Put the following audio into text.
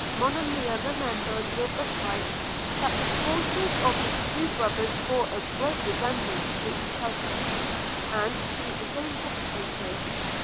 – Monimia remembered, with affright, that the voices of the two brothers bore a great resemblance to each other, and she again hesitated.